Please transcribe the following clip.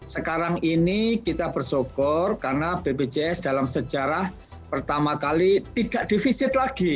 sekarang ini kita bersyukur karena bpjs dalam sejarah pertama kali tidak defisit lagi